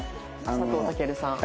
佐藤健さん。